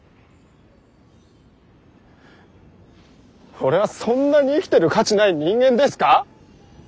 俺はそんなに生きてる価値ない人間ですか？